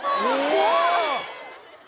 怖っ